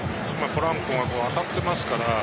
ポランコが当たっていますから。